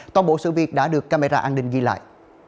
toàn bộ sự việc đã được camera an ninh ghi lại